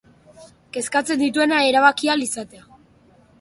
Kezkatzen dituena erabaki ahal izatea.